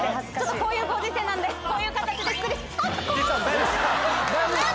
こういうご時世なんでこういう形で失礼あっ。